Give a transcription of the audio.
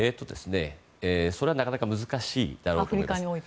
それはなかなか難しいだろうと思います。